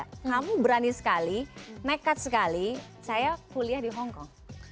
kamu berani sekali nekat sekali saya kuliah di hongkong